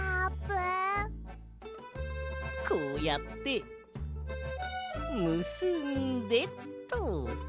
こうやってむすんでと。